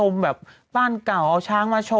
อเรนนี่